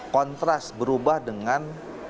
kontras berubah dengan